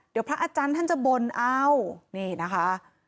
เดี๋ยวพระอาจารย์ท่านจะบ่นเอานี่นะคะ